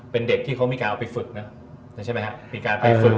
เป็นเด็กที่เขามีการเอาไปฝึกนะใช่ไหมครับ